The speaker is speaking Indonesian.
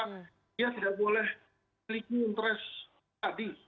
dia tidak boleh memiliki interest tadi